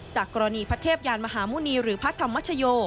จากกรณีพระเทพยานมหาหมุณีหรือพระธรรมชโย